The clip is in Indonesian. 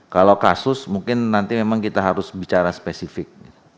kalau kasus mungkin nanti memang kita harus bicara spesifik